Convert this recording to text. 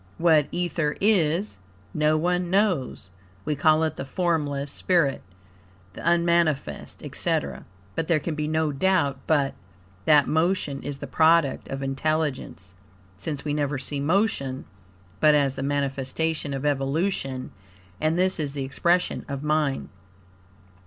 What Ether is, no one knows. We call it the formless spirit, the unmanifest, etc. But, there can be no doubt but, that Motion is the product of Intelligence, since we never see Motion but as the manifestation of evolution, and this is the expression of Mind.